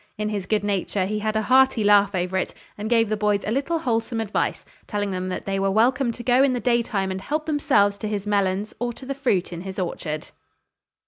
In his good nature he had a hearty laugh over it, and gave the boys a little wholesome advice, telling them that they were welcome to go in the day time and help themselves to his melons or to the fruit in his orchard."